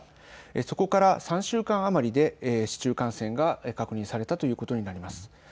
そこから３週間余りで市中感染が確認されたということになります。